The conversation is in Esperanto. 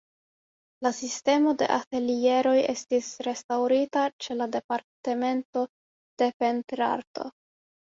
La sistemo de atelieroj estis restaŭrita ĉe la Departemento de Pentrarto.